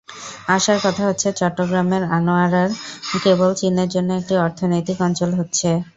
আশার কথা হচ্ছে, চট্টগ্রামের আনোয়ারায় কেবল চীনের জন্য একটি অর্থনৈতিক অঞ্চল হচ্ছে।